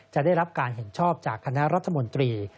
จะได้รับการเห็นชอบจากคณะรัฐมนตรี